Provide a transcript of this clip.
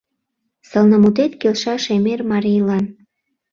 Сылнымутет келша шемер марийлан.